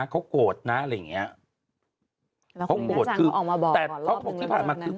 เขาโกรธนะอะไรอย่างเงี้ยคุณลิน่าจังเขาออกมาบอกแต่เขาพูดที่ผ่านมาคือ